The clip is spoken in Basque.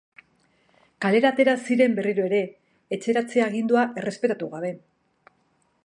Kalera atera ziren berriro ere, etxeratze-agindua errespetatu gabe.